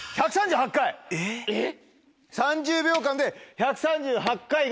えっ？